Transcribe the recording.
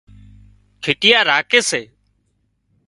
کِٽيا راکي سي